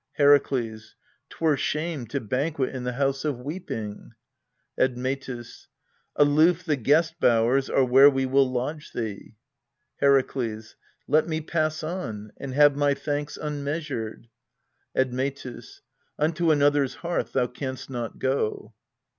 Herakles. 'Twere shame to banquet in the house of weeping. Admetus. Aloof the guest bowers are where we will lodge thee. Herakles. Let me pass on, and have my thanks un measured. Admetus. Unto another's hearth thou canst not go.